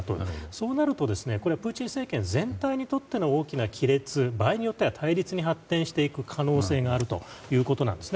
そうなると、これはプーチン政権全体にとっての大きな亀裂、場合によっては対立に発展していく可能性があるということです。